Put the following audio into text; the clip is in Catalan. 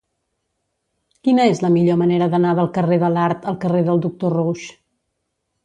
Quina és la millor manera d'anar del carrer de l'Art al carrer del Doctor Roux?